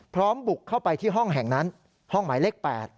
บุกเข้าไปที่ห้องแห่งนั้นห้องหมายเลข๘